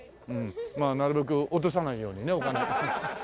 まあなるべく落とさないようにねお金。